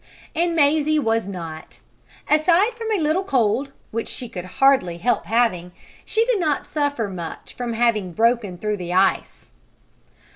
And Mazie was not. Aside from a little cold, which she could hardly help having, she did not suffer much from having broken through the ice.